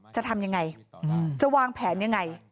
จะทำอย่างไรจะวางแผนอย่างไร